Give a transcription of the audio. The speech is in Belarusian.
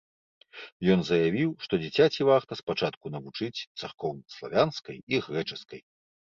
Ён заявіў, што дзіцяці варта спачатку навучыць царкоўнаславянскай і грэчаскай.